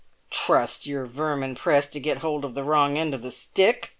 "Trust your vermin press to get hold of the wrong end of the stick!"